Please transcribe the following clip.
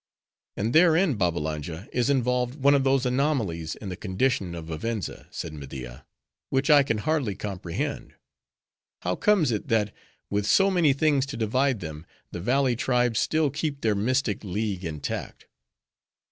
"And therein, Babbalanja, is involved one of those anomalies in the condition of Vivenza," said Media, "which I can hardly comprehend. How comes it, that with so Many things to divide them, the valley tribes still keep their mystic league intact?"